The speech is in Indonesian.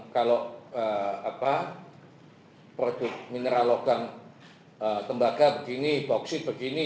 kalau produk mineralogam kembaga begini bauksit begini